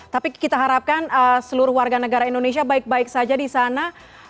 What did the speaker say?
tapi kita harapkan seluruh warga negara indonesia baik baik saja di sana